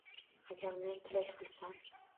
Agar men tilak qilsam